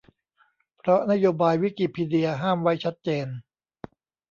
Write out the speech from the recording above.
เพราะนโยบายวิกิพีเดียห้ามไว้ชัดเจน